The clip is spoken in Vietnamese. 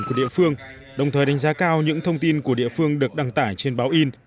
của địa phương đồng thời đánh giá cao những thông tin của địa phương được đăng tải trên báo in